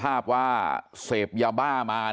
แต่ว่าสุดท้ายก็ตามจนทัน